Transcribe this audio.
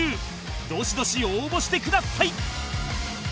どしどし応募してください